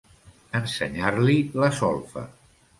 Ensenyar-li la solfa.